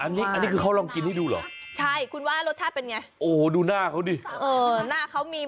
หน้าเขาเปรี้ยวปิดขนาดนั้นดูดิตายี